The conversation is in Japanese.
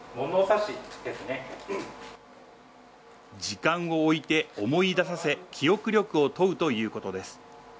時間を置いて思い出させ、記憶力を問うということです。